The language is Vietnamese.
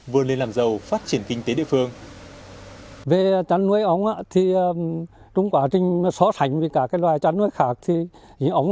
vươn lên làm giàu phát triển kinh tế địa phương